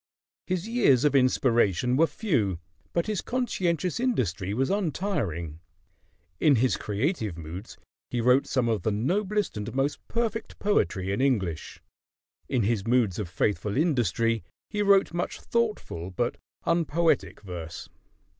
His years of inspiration were few; but his conscientious industry was untiring. In his creative moods he wrote some of the noblest and most perfect poetry in English; in his moods of faithful industry he wrote much thoughtful but unpoetic verse.